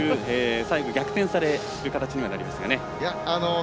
最後、逆転される形にはなりましたが。